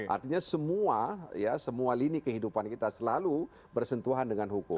artinya semua ya semua lini kehidupan kita selalu bersentuhan dengan hukum